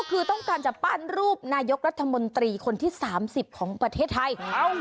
คือต้องการจะปั้นรูปนายกรัฐมนตรีคนที่๓๐ของประเทศไทย